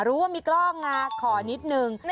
รู้ว่ามีกล้องนะขอนิดนึง